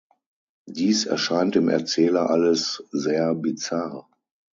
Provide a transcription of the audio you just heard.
Dies erscheint dem Erzähler alles sehr „bizarr“.